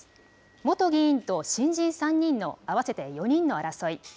元議員と新人３人の合わせて４人の争い。